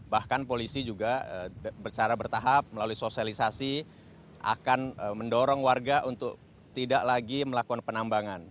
bahkan polisi juga secara bertahap melalui sosialisasi akan mendorong warga untuk tidak lagi melakukan penambangan